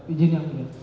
ijin yang ini